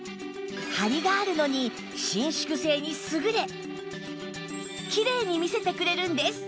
ハリがあるのに伸縮性に優れキレイに見せてくれるんです